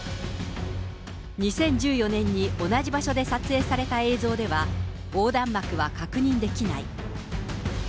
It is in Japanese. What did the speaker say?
２０１４年に同じ場所で撮影された映像では、横断幕は確認できない。